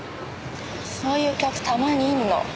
そういう客たまにいるの。